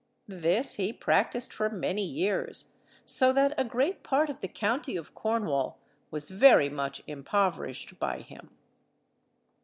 This he practised for many years, so that a great part of the county of Cornwall was very much impoverished by him.